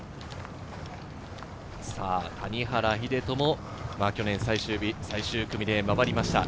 谷原秀人も去年、最終日、最終組で回りました。